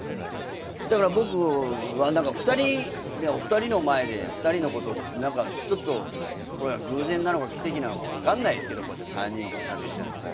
僕はお二人の前で二人のことってこれは偶然なのか奇跡なのか分かんないですけどこうやって３人でおしゃべりしてんのも。